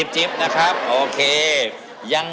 จิบครับ